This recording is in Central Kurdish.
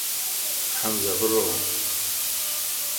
هەڵیان کێشا و بەرەو ژووریان برد تا لە بەر چاوم ون بوو